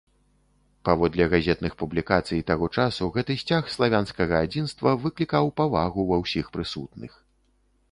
Паводле газетных публікацый таго часу, гэты сцяг славянскага адзінства выклікаў павагу ва ўсіх прысутных.